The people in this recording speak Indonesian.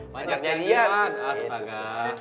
banyaknya jadian astaga